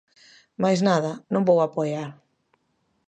Máis nada, non vou apoiar.